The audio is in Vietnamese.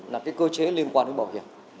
là cái cơ chế liên quan đến bảo hiểm